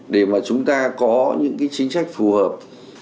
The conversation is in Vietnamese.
để mà chúng ta có những cái chính sách phù hợp